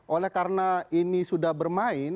oleh karena ini sudah bermain